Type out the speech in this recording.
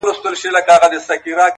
• ټوله ژوي یو د بل په ځان بلا وه ,